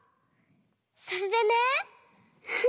それでね。